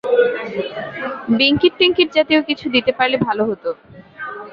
বিঙ্কিটটিঙ্কিটজাতীয় কিছু দিতে পারলে ভালো হত।